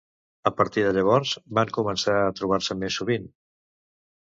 A partir de llavors, van començar a trobar-se més sovint?